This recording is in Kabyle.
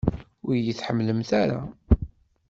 Ur iyi-tḥemmlem ara?